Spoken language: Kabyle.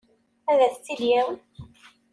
Ad s-tt-id-yawi?